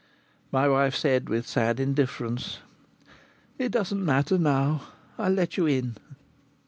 My wife said, with sad indifference: "It doesn't matter now. I'll let you in."